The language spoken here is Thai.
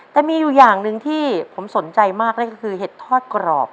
แต่มีอยู่อย่างหนึ่งที่ผมสนใจมากเลยก็คือเห็ดทอดกรอบ